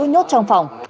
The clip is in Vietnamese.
nhốt trong phòng